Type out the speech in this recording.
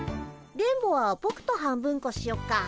電ボはぼくと半分こしよっか。